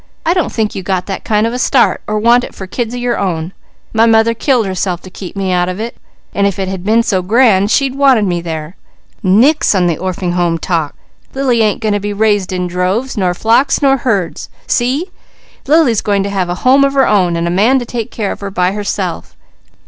I don't think you got that kind of a start, or want it for kids of your own. My mother killed herself to keep me out of it, and if it had been so grand, she'd wanted me there. Nix on the Orphings' Home talk. Lily ain't going to be raised in droves, nor flocks, nor herds! See? Lily's going to have a home of her own, and a man to take care of her by herself."